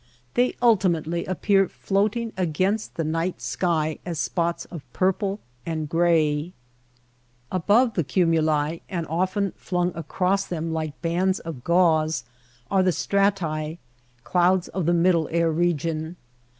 They ultimately appear floating against the night sky as spots of purple and gray. Above the cumuli and often flung across them like bands of gauze, are the strati — clouds of DESERT SKY AKD CLOUDS 103 the middle air region.